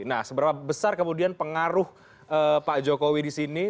nah seberapa besar kemudian pengaruh pak jokowi disini